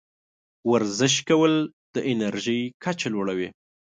ورزش کول د انرژۍ کچه لوړوي.